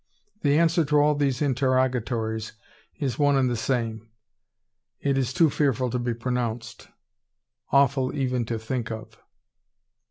The answer to all these interrogatories is one and the some. It is too fearful to be pronounced, awful even to think of!